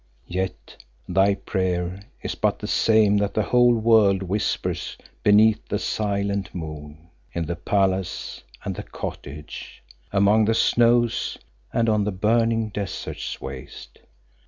Yet thy prayer is but the same that the whole world whispers beneath the silent moon, in the palace and the cottage, among the snows and on the burning desert's waste.